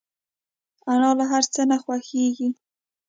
انا له هر څه نه خوښيږي